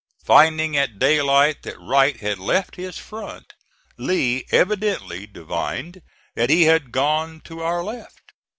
Finding at daylight that Wright had left his front, Lee evidently divined that he had gone to our left.